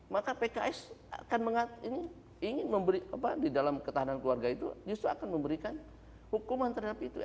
maka pks akan ingin memberi apa di dalam ketahanan keluarga itu justru akan memberikan hukuman terhadap itu